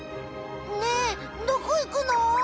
ねえどこいくの？